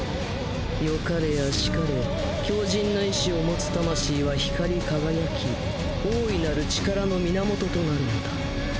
よかれあしかれ強じんな意思を持つ魂は光り輝き大いなる力の源となるのだ。